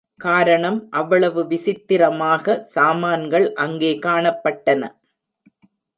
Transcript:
காரணம் அவ்வளவு விசித்தரமாக சாமான்கள் அங்கே காணப்பட்டன.